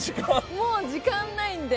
もう時間ないんで。